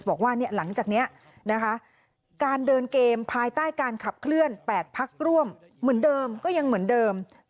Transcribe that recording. บอกว่าหลังจากนี้นะคะการเดินเกมภายใต้การขับเคลื่อน๘พักร่วมเหมือนเดิมก็ยังเหมือนเดิม